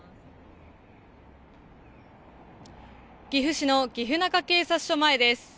岐阜市の岐阜中警察署前です。